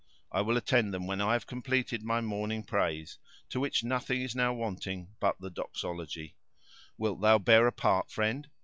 I will attend them, when I have completed my morning praise, to which nothing is now wanting but the doxology. Wilt thou bear a part, friend?